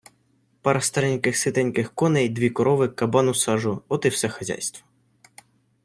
Пара стареньких ситеньких коней, дві корови, кабан у сажу - от і все хазяйство.